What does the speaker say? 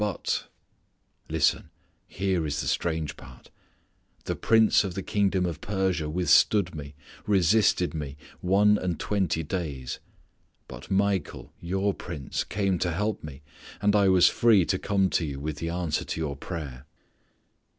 But" listen, here is the strange part "the prince of the kingdom of Persia withstood me, resisted me, one and twenty days: but Michael, your prince, came to help me, and I was free to come to you with the answer to your prayer."